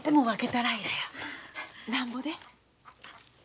なんぼで？